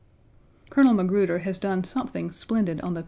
Colonel Magruder1 has done something splendid on the 1.